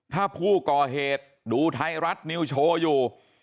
ถ้าผู้ก่อเหตุดูไทยรัฐนิวโชว์อยู่